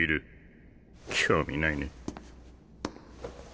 興味ないね。